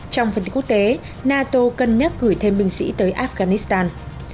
trong phân tích quốc tế nato cân nhắc gửi thêm binh sĩ tới afghanistan